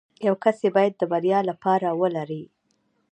يو کس يې بايد د بريا لپاره ولري.